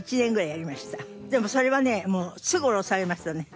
でもそれはねもうすぐ降ろされましたね。